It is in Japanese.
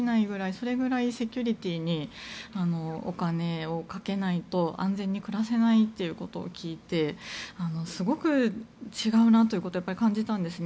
それぐらいセキュリティーにお金をかけないと安全に暮らせないということを聞いてすごく違うなということを感じたんですね。